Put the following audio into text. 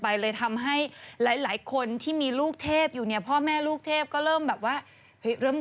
พี่เช้าวันนึงก็จะตามเขาไป